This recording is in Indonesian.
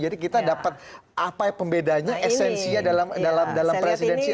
jadi kita dapat apa pembedanya esensinya dalam presidensi apa